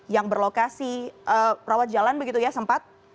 yang berlokasi perawat jalan begitu ya sempat